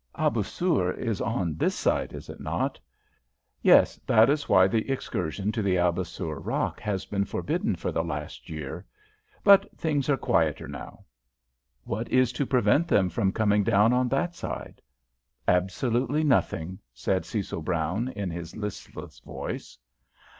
"Abousir is on this side, is it not?" "Yes. That is why the excursion to the Abousir Rock has been forbidden for the last year. But things are quieter now." "What is to prevent them from coming down on that side?" "Absolutely nothing," said Cecil Brown, in his listless voice.